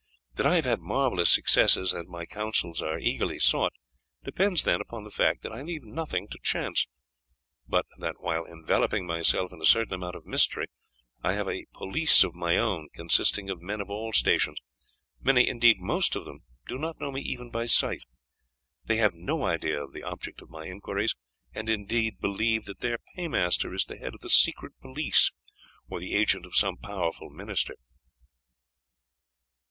That I have had marvellous successes and that my counsels are eagerly sought depends, then, upon the fact that I leave nothing to chance, but that while enveloping myself in a certain amount of mystery I have a police of my own consisting of men of all stations, many, indeed most of whom, do not know me even by sight. They have no idea of the object of my inquiries, and indeed believe that their paymaster is the head of the secret police, or the agent of some powerful minister.'